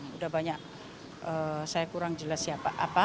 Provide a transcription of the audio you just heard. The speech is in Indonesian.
sudah banyak saya kurang jelas siapa